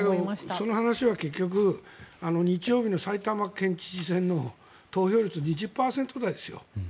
だけどその話は結局日曜日の埼玉県知事選の投票率２０％台ですよ。